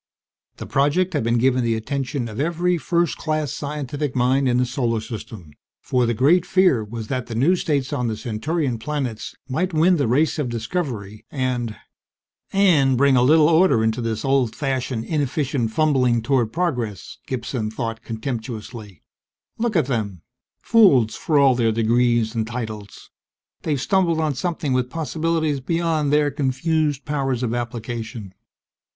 The project had been given the attention of every first class scientific mind in the Solar System; for the great fear was that the new states on the Centaurian planets might win the race of discovery and ... And bring a little order into this old fashioned, inefficient fumbling toward progress, Gibson thought contemptuously. _Look at them fools for all their degrees and titles! They've stumbled on something with possibilities beyond their confused powers of application.